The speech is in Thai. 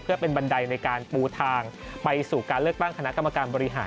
เพื่อเป็นบันไดในการปูทางไปสู่การเลือกตั้งคณะกรรมการบริหาร